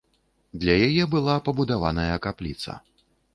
Для яе была пабудаваная капліца.